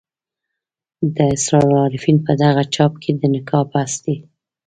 د اسرار العارفین په دغه چاپ کې د نکاح بحث دی.